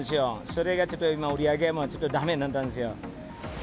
それがちょっと売り上げがちょっとだめになったんですよ。